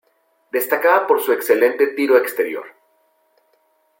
Destacaba por su excelente tiro exterior.